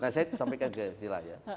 nah saya sampaikan ke sila ya